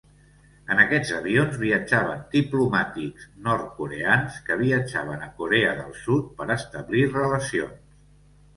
En aquests avions viatjaven diplomàtics nord-coreans que viatjaven a Corea del Sud per establir relacions.